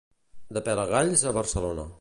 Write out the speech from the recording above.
De Pelagalls a Barcelona.